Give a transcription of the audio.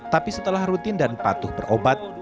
tapi setelah rutin dan patuh berobat